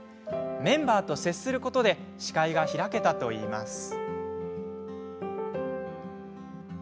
メンバーと接することで視界が開けたといいます。